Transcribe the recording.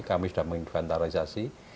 kami sudah menginfantarisasi